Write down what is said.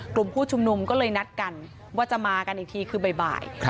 กลุ่มผู้ชุมนุมก็เลยนัดกันว่าจะมากันอีกทีคือบ่าย